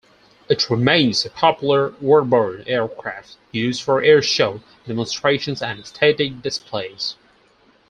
It remains a popular warbird aircraft used for airshow demonstrations and static displays.